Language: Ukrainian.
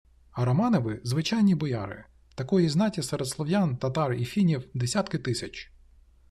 А Романови – звичайні бояри, такої знаті серед слов'ян, татар і фінів – десятки тисяч